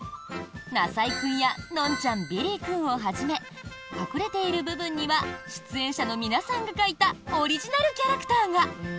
なさいくんやのんちゃん、びりーくんをはじめ隠れている部分には出演者の皆さんが描いたオリジナルキャラクターが。